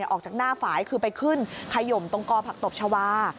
ออกจากหน้าฝ่ายคือไปขึ้นขยมตรงกอผักตบชาวา